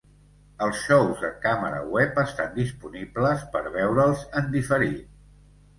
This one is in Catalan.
Els xous de càmera web estan disponibles per veure'ls en diferit.